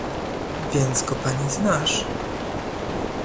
"Więc go pani znasz?"